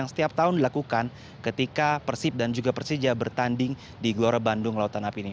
setiap tahun dilakukan ketika persib dan juga persija bertanding di glora bandung lautan api ini